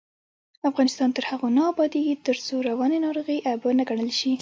افغانستان تر هغو نه ابادیږي، ترڅو رواني ناروغۍ عیب ونه ګڼل شي.